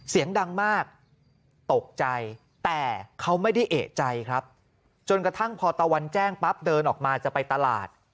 เสียงดังมากตกใจแต่เขาไม่ได้เอกใจครับจนกระทั่งพอตะวันแจ้งปั๊บเดินออกมาจะไปตลาด